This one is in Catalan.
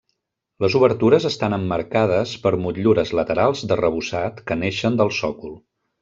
Les obertures estan emmarcades per motllures laterals d'arrebossat que neixen del sòcol.